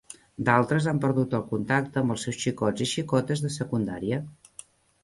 D'altres han perdut el contacte amb els seus xicots i xicotes de secundària.